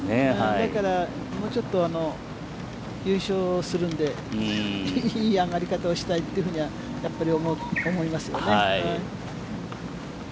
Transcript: だから、もうちょっと優勝するので、いい上がり方をしたいというふうにやっぱり思いますよね。